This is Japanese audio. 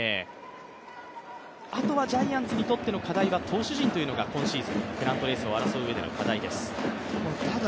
あとはジャイアンツにとっての課題は投手陣というのが今シーズン、ペナントレースを争ううえでの課題です。